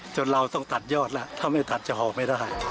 เราต้องตัดยอดแล้วถ้าไม่ตัดจะออกไม่ได้